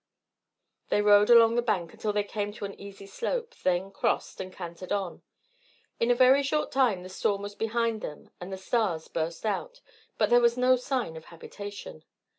They rode along the bank until they came to an easy slope, then crossed, and cantered on. In a very short time the storm was behind them and the stars burst out, but there was no sign of habitation.